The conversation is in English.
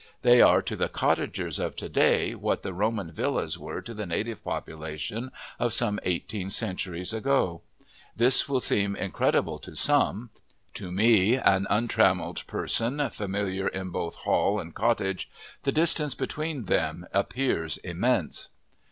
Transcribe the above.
They are to the cottagers of to day what the Roman villas were to the native population of some eighteen centuries ago. This will seem incredible to some: to me, an untrammelled person, familiar in both hall and cottage, the distance between them appears immense.